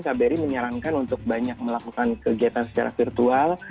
kbri menyarankan untuk banyak melakukan kegiatan secara virtual